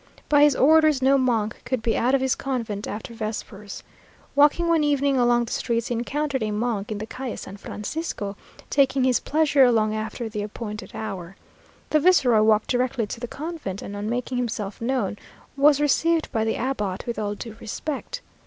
By his orders, no monk could be out of his convent after vespers. Walking one evening along the streets, he encountered a monk in the Calle San Francisco, taking his pleasure long after the appointed hour. The viceroy walked directly to the convent; and on making himself known, was received by the abbot with all due respect.